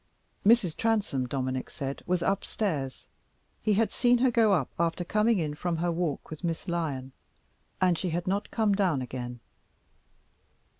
Mrs. Transome, Dominic said, was up stairs. He had seen her go up after coming in from her walk with Miss Lyon, and she had not come down again.